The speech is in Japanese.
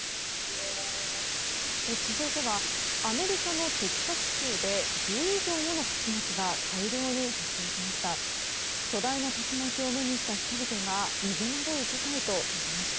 続いてはアメリカのテキサス州で１０以上もの竜巻が大量に発生しました。